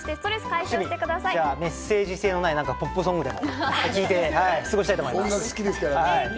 メッセージ性のないポップソングを聴いて過ごしたいと思います。